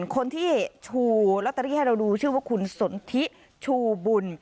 คนที่ชูลอตเตอรี่ให้เราดูชื่อว่าคุณสนทิชูบุญ